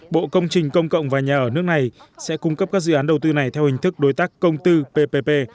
bộ công trình công cộng và nhà ở nước này sẽ cung cấp các dự án đầu tư này theo hình thức đối tác công tư ppp